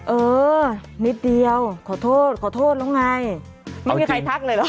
เออนิดเดียวขอโทษขอโทษแล้วไงไม่มีใครทักเลยเหรอ